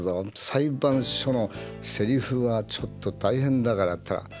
裁判所のセリフはちょっと大変だから。